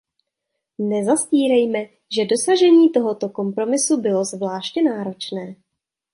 Nezastírejme, že dosažení tohoto kompromisu bylo zvláště náročné.